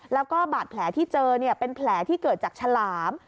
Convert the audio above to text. แล้วก็บาดแผลที่เจอเป็นแผลที่เกิดจากฉลาม